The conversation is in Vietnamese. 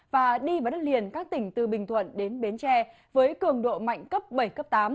và đi vào đất liền các tỉnh từ bình thuận đến bến tre với cường độ mạnh cấp bảy cấp tám